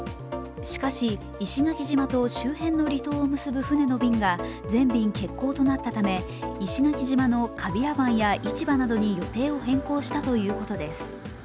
しかし、石垣島と周辺の離島を結ぶ船の便が全便欠航となったため石垣島の川平湾や市場などに予定を変更したということです。